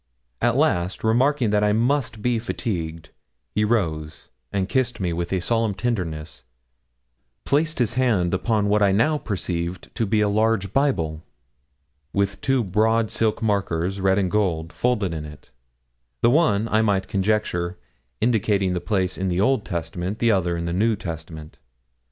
At last, remarking that I must be fatigued, he rose, and kissed me with a solemn tenderness, placed his hand upon what I now perceived to be a large Bible, with two broad silk markers, red and gold, folded in it the one, I might conjecture, indicating the place in the Old, the other in the New Testament.